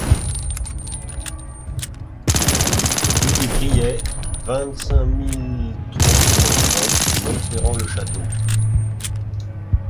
Rue des Brillets, vingt-cinq mille trois cent vingt Montferrand-le-Château